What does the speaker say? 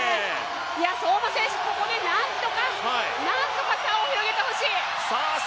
相馬選手、ここでなんとか差を広げてほしい。